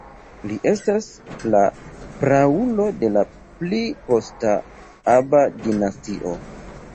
Li estas la praulo de la pli posta Aba-dinastio.